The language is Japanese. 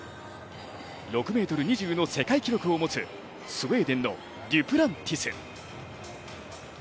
６ｍ２０の世界記録を持つスウェーデンのデュプランティス。